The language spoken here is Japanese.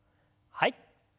はい。